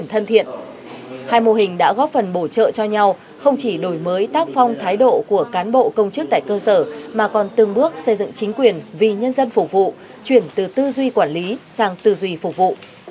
hai mô hình đã góp phần bổ trợ cho nhau không chỉ đổi mới tác phong thái độ của cán bộ công chức tại cơ sở mà còn từng bước xây dựng chính quyền vì nhân dân phục vụ chuyển từ tư duy quản lý sang tư duy phục vụ